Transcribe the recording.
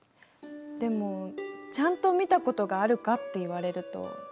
でもちゃんと見たことがあるかって言われるとないかも。